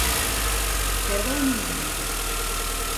Perdóeme un momento.